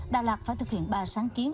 đà lạt phải thực hiện ba sáng kiến